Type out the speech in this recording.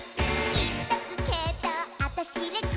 「いっとくけどあたしレグ」